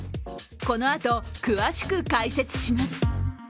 このあと詳しく解説します。